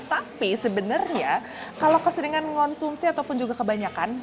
tapi sebenarnya kalau keseringan mengonsumsi ataupun juga kebanyakan